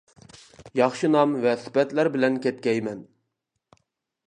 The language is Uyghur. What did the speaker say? ياخشى نام ۋە سۈپەتلەر بىلەن كەتكەيمەن!